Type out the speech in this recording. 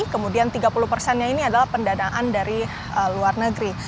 kemudian tiga puluh persennya ini adalah pendanaan dari luar negeri